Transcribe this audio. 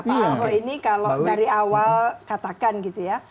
pak ahok ini kalau dari awal katakan gitu ya